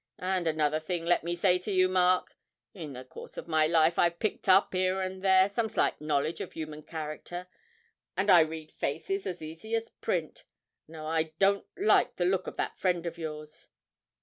And another thing let me say to you, Mark. In the course of my life I've picked up, 'ere and there, some slight knowledge of human character, and I read faces as easy as print. Now I don't like the look of that friend of yours.'